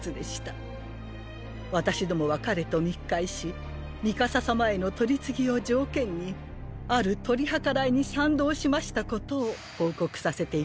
私どもは彼と密会しミカサ様への取り次ぎを条件にある取り計らいに賛同しましたことを報告させていただきます。